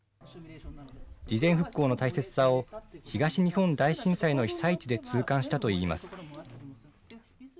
事前復興の大切さを、東日本大震災の被災地で痛感したといいます。